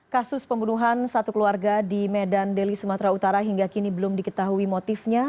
kasus pembunuhan satu keluarga di medan deli sumatera utara hingga kini belum diketahui motifnya